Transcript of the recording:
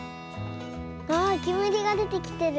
あけむりがでてきてる。